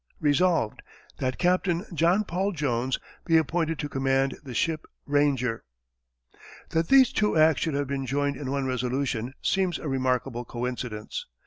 Resolved, That Captain John Paul Jones be Appointed to Command the Ship Ranger. That these two acts should have been joined in one resolution seems a remarkable coincidence.